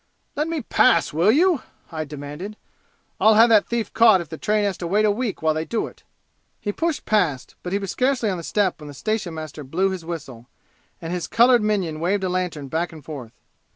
"Let me pass, will you!" Hyde demanded. "I'll have that thief caught if the train has to wait a week while they do it!" He pushed past, but he was scarcely on the step when the station master blew his whistle, and his colored minion waved a lantern back and forth.